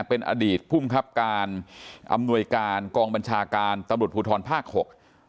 เป็นอดีตภูมิครับการอำนวยการกองบัญชาการตำรวจภูทรภาคหก